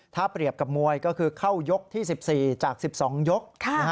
ถ้าเปรียบกับมวยก็คือเข้ายกที่๑๔จาก๑๒ยก